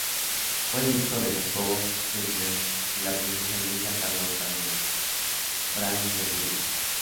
Fue el hijo de Jacobo Kettler y la Princesa Luisa Carlota de Brandeburgo.